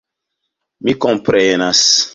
Mi komprenas.